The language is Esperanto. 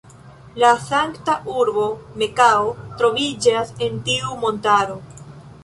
La sankta urbo Mekao troviĝas en tiu montaro.